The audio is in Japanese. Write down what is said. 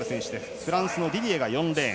フランスのディディエが４レーン。